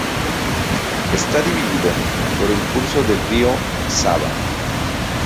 Está dividido por el curso del río Sava.